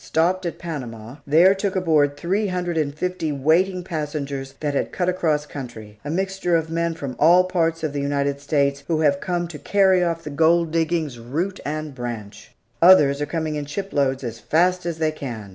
Stopped at Panama; there took aboard three hundred and fifty waiting passengers that had cut across country a mixture of men from all parts of the United States, who have come to carry off the gold diggings, root and branch! Others are coming in shiploads as fast as they can.